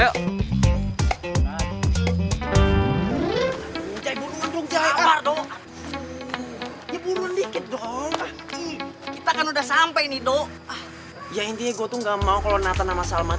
kita kan udah sampai nih doh ya intinya gue tuh nggak mau kalau natan sama salma